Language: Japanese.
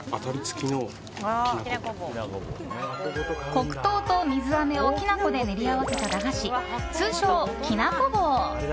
黒糖と水あめをきな粉で練り合わせた駄菓子通称、きなこ棒。